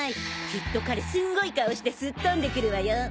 きっと彼すんごい顔してすっ飛んで来るわよ。